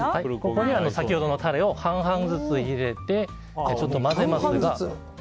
ここに先ほどのタレを半々ずつ入れて混ぜます。